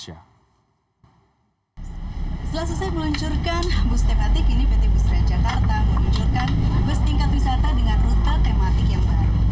setelah selesai meluncurkan bus tematik ini pt bus transjakarta meluncurkan bus tingkat wisata dengan rute tematik yang baru